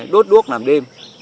đốt đuốc làm đêm